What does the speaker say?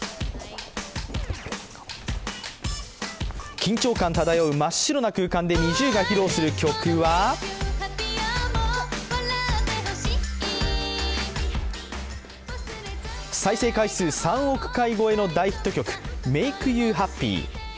緊張感漂う真っ白な空間でＮｉｚｉＵが披露する曲は再生回数３億回超えの大ヒット曲「Ｍａｋｅｙｏｕｈａｐｐｙ」。